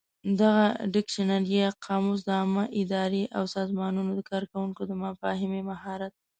دغه ډکشنري یا قاموس د عامه ادارې او سازمانونو د کارکوونکو د مفاهمې مهارت